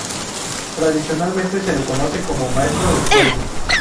Tradicionalmente se le conoce como "maestro de escuela".